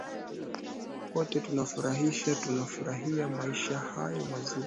ote tunafurahisha tunafurahia maisha hayo mazuri